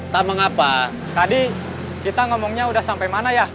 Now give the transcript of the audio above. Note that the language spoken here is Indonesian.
sama ngapa tadi kita ngomongnya udah sampai mana ya